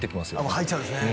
もう入っちゃうんですね